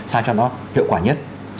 sao cho nó hiệu quả nhất